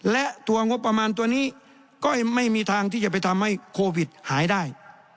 และตัวงบประมาณตัวนี้ก็ไม่มีทางที่จะไปทำให้โควิดหายได้